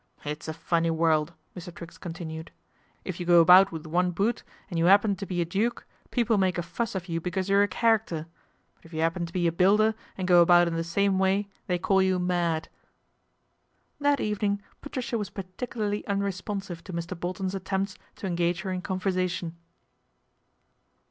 It's a funny world," Mr. Triggs continued ;" ii you go about with one boot, and you 'appen to be a duke, people make a fuss of you because you'n a character ; but if you 'appen to be a buildei and go about in the same way they call you mad.' That evening Patricia was particularly unre sponsive to Mr. Bolton's attempts to engage he: in conversation.